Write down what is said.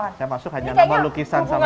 jadi saya masuk hanya melukisan sama ini